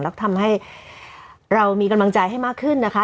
แล้วทำให้เรามีกำลังใจให้มากขึ้นนะคะ